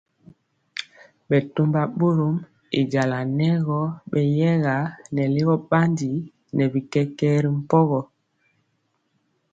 Bɛtɔmba bɔrɔm y jala nɛ gɔ beyɛga nɛ ligɔ bandi nɛ bi kɛkɛɛ ri mpogɔ.